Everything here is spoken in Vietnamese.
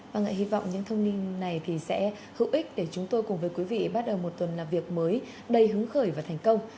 vâng ạ hy vọng những thông tin này thì sẽ hữu ích để chúng tôi cùng với quý vị bắt đầu một tuần làm việc mới đầy hứng khởi và thành công